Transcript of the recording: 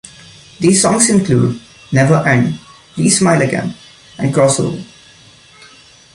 These songs include "Never End," "Please Smile Again," and "Cross Over.